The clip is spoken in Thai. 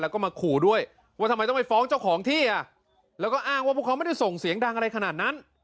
แล้วก็มาขู่ด้วยว่าทำไมต้องไปฟ้องเจ้าของที่อ่ะแล้วก็อ้างว่าพวกเขาไม่ได้ส่งเสียงดังอะไรขนาดนั้น